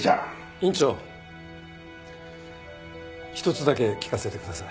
院長一つだけ聞かせてください。